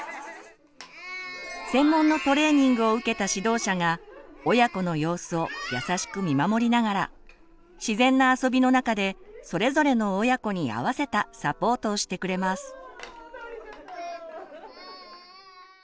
専門のトレーニングを受けた指導者が親子の様子を優しく見守りながら自然な遊びの中でそれぞれの親子に合わせたサポートをしてくれます。